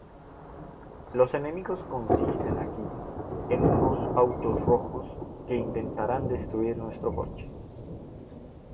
Los enemigos consisten aquí en unos autos rojos que intentarán destruir nuestro coche.